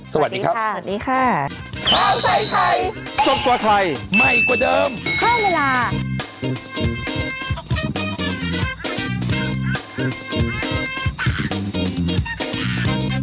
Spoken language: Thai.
สวัสดีครับ